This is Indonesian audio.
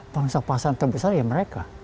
pansah pansah terbesar ya mereka